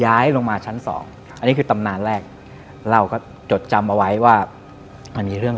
ย้ายลงมาชั้นสองอันนี้คือตำนานแรกเราก็จดจำเอาไว้ว่ามันมีเรื่อง